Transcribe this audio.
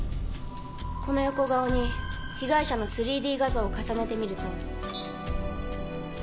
この横顔に被害者の３Ｄ画像を重ねてみると。